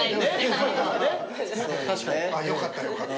・よかったよかった。